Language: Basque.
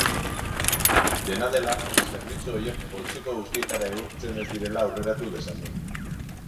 Dena dela, zerbitzu horiek poltsiko guztietara egokitzen ez direla aurreratu dezakegu.